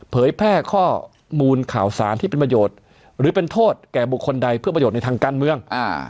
เผยแพร่ข้อมูลข่าวสารที่เป็นประโยชน์หรือเป็นโทษแก่บุคคลใดเพื่อประโยชน์ในทางการเมือง